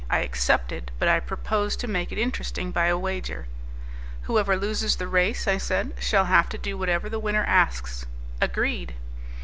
I accepted, but I proposed to make it interesting by a wager. "Whoever loses the race," I said, "shall have to do whatever the winner asks." "Agreed!"